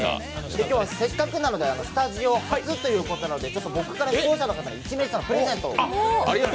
今日はせっかくなのでスタジオ初なので僕から視聴者の方１名様にプレゼントを。